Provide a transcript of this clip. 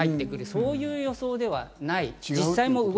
そういう予想ではない。